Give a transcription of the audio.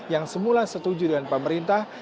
yang semula setuju dengan pemerintah